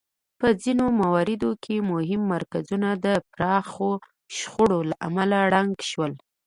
په ځینو مواردو کې مهم مرکزونه د پراخو شخړو له امله ړنګ شول